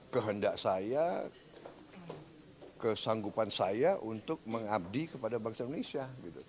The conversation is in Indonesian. kehendak saya kesanggupan saya untuk mengabdi kepada bangsa indonesia